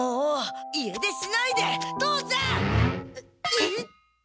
えっ？